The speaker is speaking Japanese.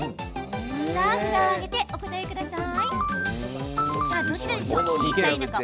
さあ、札を上げてお答えください。